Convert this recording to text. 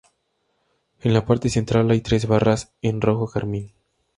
En la parte central hay tres barras, en rojo carmín.